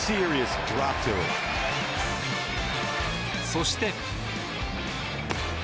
そして。